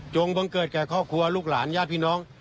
บังเกิดแก่ครอบครัวลูกหลานญาติพี่น้อง